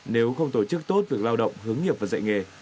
nếu không tổ chức tốt việc lao động hướng nghiệp và dạy nghề